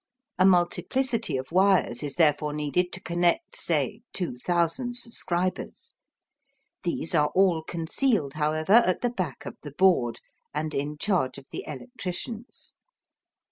A multiplicity of wires is therefore needed to connect, say, two thousand subscribers. These are all concealed, however, at the back of the board, and in charge of the electricians.